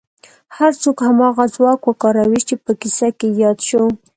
هر څوک هماغه ځواک وکاروي چې په کيسه کې ياد شو.